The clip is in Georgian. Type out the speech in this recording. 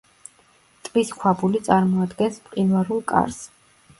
ტბის ქვაბული წარმოადგენს მყინვარულ კარს.